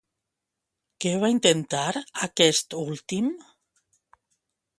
Què va intentar, aquest últim?